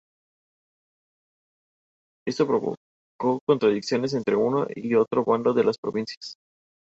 Esto provocó contradicciones entre uno y otro bando en las provincias.